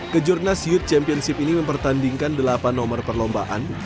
kejurnas youth championship ini mempertandingkan delapan nomor perlombaan